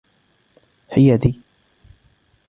حيادي.